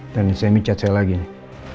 tadi semi chat saya lagi nih